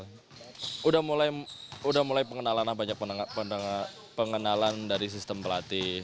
sudah mulai pengenalan dari sistem pelatih